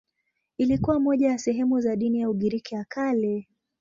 Ilikuwa moja ya sehemu za dini ya Ugiriki ya Kale.